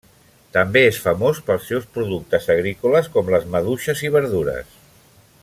També és famós pels seus productes agrícoles com les maduixes i verdures.